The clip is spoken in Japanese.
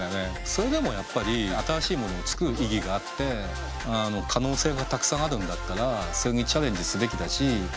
それでもやっぱり新しいものを作る意義があって可能性がたくさんあるんだったらそれにチャレンジすべきだし。